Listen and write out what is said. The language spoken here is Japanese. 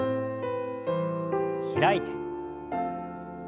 開いて。